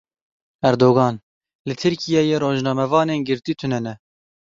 Erdogan Li Tirkiyeyê rojnamevanên girtî tune ne.